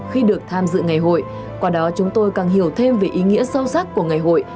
khi được tham dự ngày hội qua đó chúng tôi càng hiểu thêm về ý nghĩa sâu sắc của ngày hội